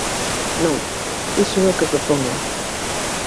Non, iso é o que propón el.